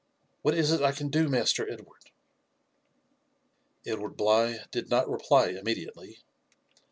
What is it I can do, Master Edward?" Edward Bligh did not reply immediately.